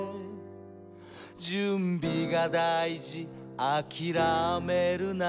「準備がだいじあきらめるな」